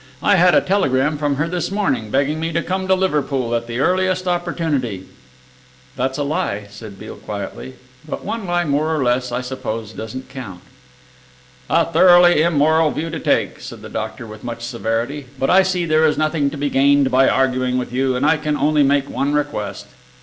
I had a telegram from her this morning, begging me to come to Liverpool at the earliest opportunity." "That's a lie," said Beale quietly, "but one lie more or less, I suppose, doesn't count." "A thoroughly immoral view to take," said the doctor with much severity, "but I see there is nothing to be gained by arguing with you, and I can only make one request."